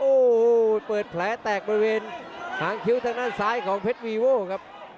โอ้โหเปิดแผลแตกบริเวณหางคิ้วทางด้านซ้ายของเพชรวีโว่ครับ